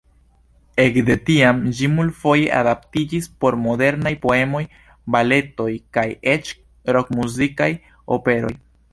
Ekde tiam ĝi multfoje adaptiĝis por modernaj poemoj, baletoj kaj eĉ rok-muzikaj operoj.